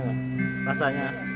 gak ada rasanya